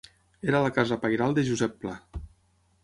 Era la casa pairal de Josep Pla.